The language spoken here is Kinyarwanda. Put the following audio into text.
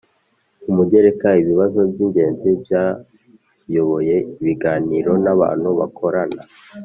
Umugereka Ibibazo by ingenzi byayoboye ibiganiro n abantu bakorana